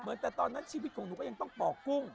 แต่ตอนนั้นชีวิตของหนูก็ยังต้องปอกกุ้ง